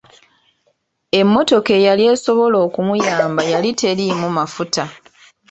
Emmotoka eyali esobola okumuyamba yali teriimu mafuta.